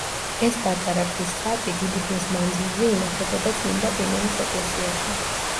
ეს პატარა ქვის ხატი დიდი ხნის მანძილზე ინახებოდა წმინდა პიმენის ეკლესიაში.